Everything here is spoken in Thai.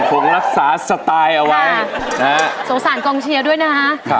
คงรักษาสไตล์เอาไว้นะฮะสงสารกองเชียร์ด้วยนะฮะ